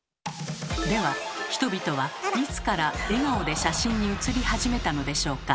では人々はいつから笑顔で写真に写り始めたのでしょうか？